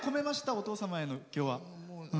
お父様への、今日は。